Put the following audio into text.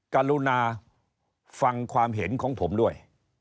กรุณาฟังความเห็นของผมด้วย